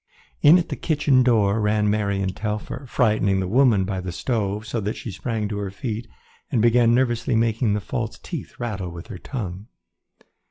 In at the kitchen door ran Mary and Telfer, frightening the woman by the stove so that she sprang to her feet and began nervously making the false teeth rattle with her tongue.